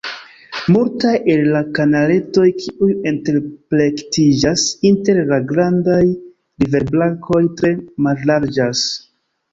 Multaj el la kanaletoj, kiuj interplektiĝas inter la grandaj riverbrakoj, tre mallarĝas.